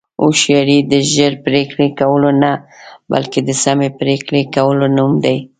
هوښیاري د ژر پرېکړې کولو نه، بلکې د سمې پرېکړې کولو نوم دی.